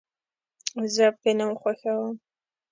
زه فلم خوښوم.